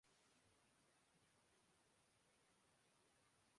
تاہم وہ اسے برقرار نہ رکھ سکے